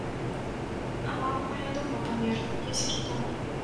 А мама мая даўно памерла, я сірата.